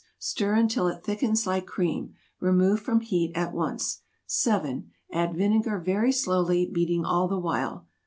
Stir until it thickens like cream. Remove from heat at once. 7. Add vinegar very slowly, beating all the while.